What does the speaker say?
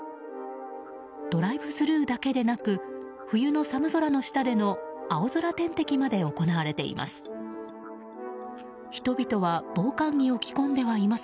ドライブスルーだけでなく冬の寒空の下での青空点滴まで行われています。